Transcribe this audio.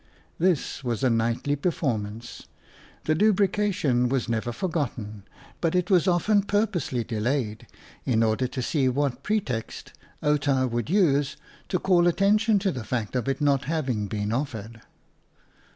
This was a nightly performance. The lubrication was never forgotten, but it was often purposely delayed in order to see what pretext Outa would use to call attention to the fact of its not having been offered.